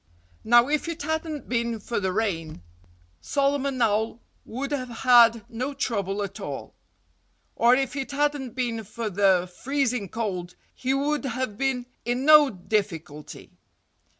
Now, if it hadn't been for the rain, Solomon Owl would have had no trouble at all. Or if it hadn't been for the freezing cold he would have been in no difficulty.